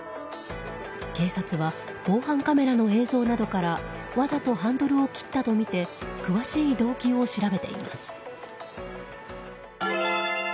警察は防犯カメラの映像などからわざとハンドルを切ったとみて詳しい動機を調べています。